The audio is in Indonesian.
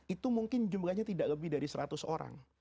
itu mungkin jumlahnya tidak lebih dari seratus orang